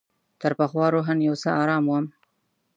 تر پخوا روحاً یو څه آرام وم.